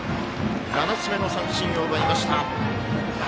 ７つ目の三振を奪いました。